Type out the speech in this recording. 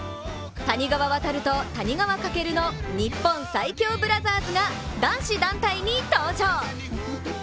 谷川航と谷川翔の日本最強ブラザーズが男子団体に登場。